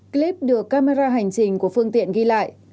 clip được camera hành trình của phương tiện ghi lại